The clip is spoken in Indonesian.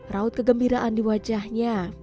raut kegembiraan di wajahnya